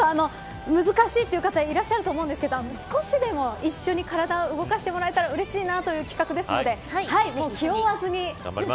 難しいという方もいらっしゃると思いますが、少しでも一緒に体を動かしてもらえたらうれしいという企画です。